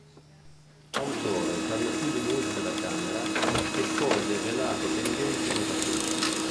Autore per lo più di musica da camera, espose velate tendenze innovatrici.